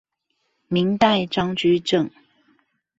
明代張居正